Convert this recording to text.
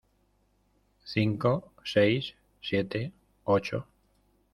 cinco, seis , siete , ocho.